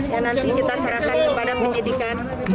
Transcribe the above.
yang nanti kita serahkan kepada penyidikan